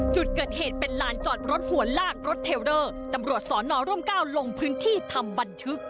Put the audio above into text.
จุดเกิดเหตุเป็นลานจอดรถหัวลากรถเทลเดอร์ตำรวจสอนอร่มเก้าลงพื้นที่ทำบันทึก